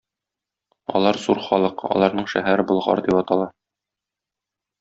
Алар зур халык, аларның шәһәре Болгар дип атала.